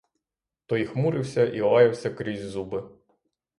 Той хмурився і лаявся крізь зуби.